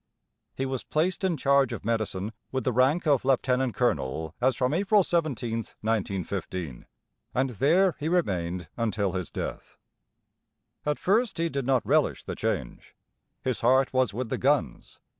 B. He was placed in charge of medicine, with the rank of Lieut. Colonel as from April 17th, 1915, and there he remained until his death. At first he did not relish the change. His heart was with the guns.